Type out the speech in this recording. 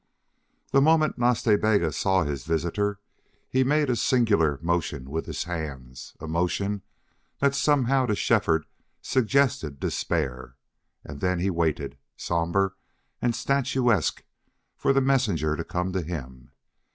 The moment Nas Ta Bega saw this visitor he made a singular motion with his hands a motion that somehow to Shefford suggested despair and then he waited, somber and statuesque, for the messenger to come to him.